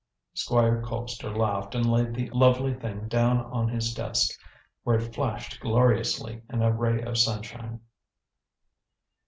Squire Colpster laughed and laid the lovely thing down on his desk, where it flashed gloriously in a ray of sunshine.